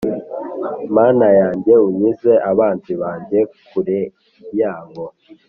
Mana yanjye unkize abanzi banjye kure yabo